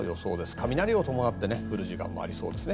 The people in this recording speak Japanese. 雷を伴って降る時間もありそうですね。